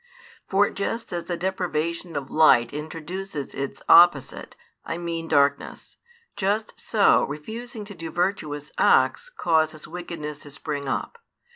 For just as the deprivation of light introduces its opposite, I mean darkness, just so refusing to do virtuous acts causes wickedness to spring up.